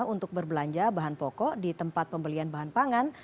untuk berbelanja bahan pokok di tempat pembelian bahan pangan